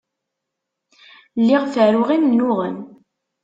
Lliɣ ferruɣ imennuɣen.